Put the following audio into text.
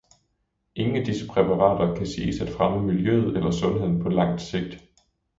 Ingen af disse præparater kan siges at fremme miljøet eller sundheden på langt sigt.